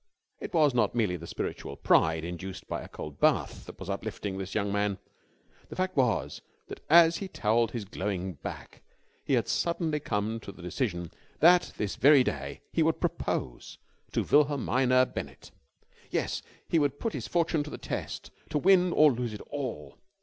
It was not merely the spiritual pride induced by a cold bath that was uplifting this young man. The fact was that, as he towelled his glowing back, he had suddenly come to the decision that this very day he would propose to Wilhelmina Bennett. Yes, he would put his fortune to the test, to win or lose it all.